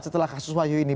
setelah kasus wahyu ini